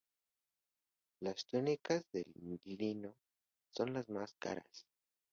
Las túnicas de lino son las más caras.